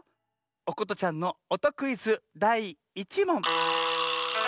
おことちゃんのおとクイズだい１もん。